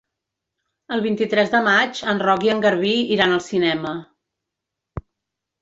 El vint-i-tres de maig en Roc i en Garbí iran al cinema.